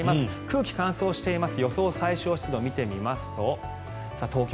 空気が乾燥しています。